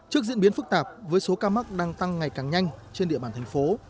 trước diễn biến phức tạp với số ca mắc đang tăng ngày càng nhanh trên địa bàn thành phố